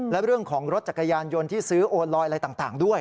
และเรื่องของรถจักรยานยนต์ที่ซื้อโอนลอยอะไรต่างด้วย